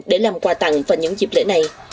để làm quà tặng vào những dịp lễ này